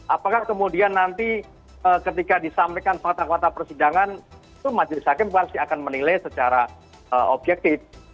apakah kemudian nanti ketika disampaikan fakta fakta persidangan itu majelis hakim pasti akan menilai secara objektif